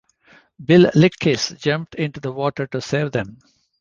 Bill Lickiss jumped into the water to save them.